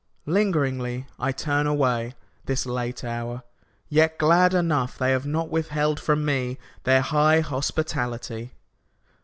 Lingeringly I turn away, This late hour, yet glad enough They have not withheld from me Their high hospitality.